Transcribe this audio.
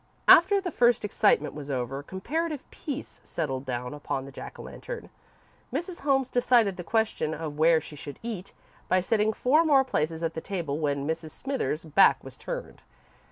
After the first excitement was over, comparative peace settled down upon the Jack o' Lantern. Mrs. Holmes decided the question of where she should eat, by setting four more places at the table when Mrs. Smithers's back was turned.